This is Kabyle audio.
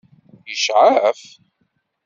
Yecɛef?